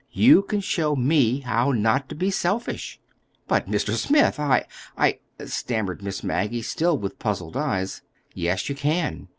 You can show me how not to be selfish." "But, Mr. Smith, I—I—" stammered Miss Maggie, still with puzzled eyes. "Yes, you can.